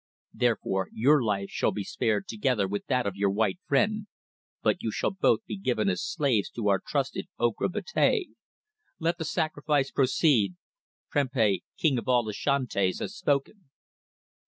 Therefore your life shall be spared together with that of your white friend, but you shall both be given as slaves to our trusted Ocra Betea. Let the sacrifice proceed. Prempeh, King of all the Ashantis, has spoken."